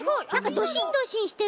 ドシンドシンしてる。